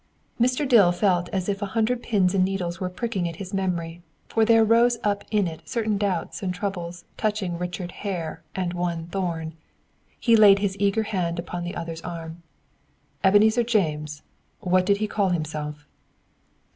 Mr. Dill felt as if a hundred pins and needles were pricking at his memory, for there rose up in it certain doubts and troubles touching Richard Hare and one Thorn. He laid his eager hand upon the other's arm. "Ebenezer James, what did he call himself?"